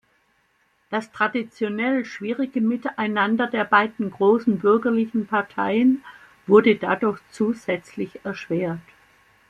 Das traditionell schwierige Miteinander der beiden großen bürgerlichen Parteien wurde dadurch zusätzlich erschwert.